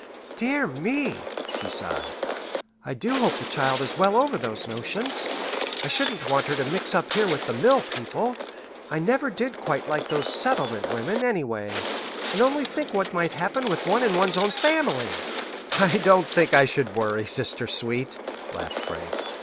"Dear me!" she sighed. "I do hope the child is well over those notions. I shouldn't want her to mix up here with the mill people. I never did quite like those settlement women, anyway, and only think what might happen with one in one's own family!" "I don't think I should worry, sister sweet," laughed Frank.